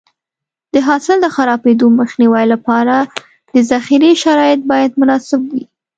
د حاصل د خرابېدو مخنیوي لپاره د ذخیرې شرایط باید مناسب وي.